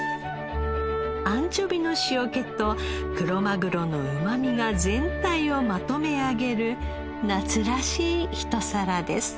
アンチョビの塩気とクロマグロのうまみが全体をまとめ上げる夏らしい一皿です。